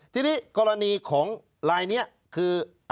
ทีนี้กรณีของลายนี้คือ